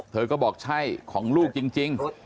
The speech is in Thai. เธอก็บอกใช่ของลูกจริง